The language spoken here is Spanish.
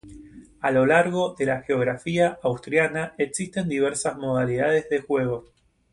A lo largo de la geografía asturiana existen diversas modalidades de juego.